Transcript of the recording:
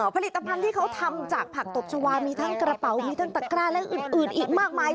ผลิตภัณฑ์ที่เขาทำจากผักตบชาวามีทั้งกระเป๋ามีทั้งตะกร้าและอื่นอีกมากมาย